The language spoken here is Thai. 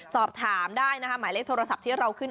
สอบถามได้นะคะหมายเลขโทรศัพท์ที่เราขึ้น